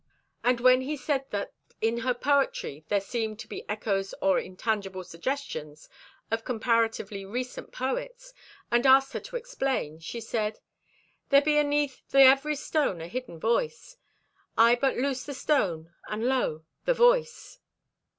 And when he said that in her poetry there seemed to be echoes or intangible suggestions of comparatively recent poets, and asked her to explain, she said: "There be aneath the every stone a hidden voice. I but loose the stone and lo, the voice!"